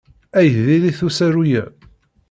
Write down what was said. Ay diri-t usaru-a!